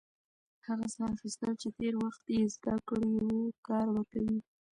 هغه ساه اخیستل چې تېر وخت يې زده کړی و، کار ورکوي.